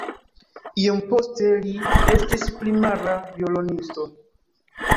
Iom poste li estis primara violonisto.